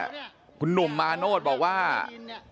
ฟ้าเนี่ยยังเอาปืนไล่ยิงตามหลังแล้วไปกระทืบ